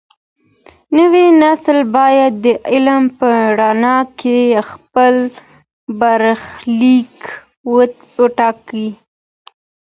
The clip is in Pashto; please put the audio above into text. نوی نسل بايد د علم په رڼا کي خپل برخليک وټاکي.